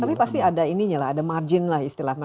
tapi pasti ada margin lah istilah mereka